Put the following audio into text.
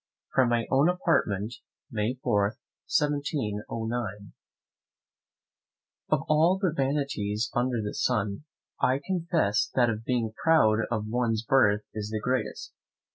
From my own Apartment, May, 4, 1709. Of all the vanities under the sun, I confess that of being proud of one's birth is the greatest.